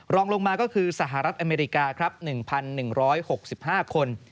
รองลงมาก็คือสหรัฐอเมริกาครับ๑๑๖๕คน